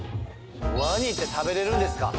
ワニって食べれるんですか？